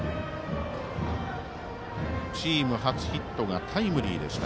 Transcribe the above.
チーム初ヒットがタイムリーでした。